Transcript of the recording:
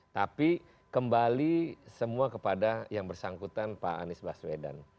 tapi kembali semua kepada yang bersangkutan pak anies baswedan